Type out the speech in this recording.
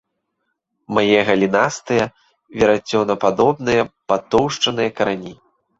Мае галінастыя, верацёнападобныя патоўшчаныя карані.